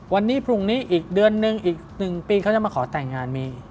วันนี้พรุ่งนี้อีกเดือนนึงอีก๑ปีเขาจะมาขอแต่งงานมี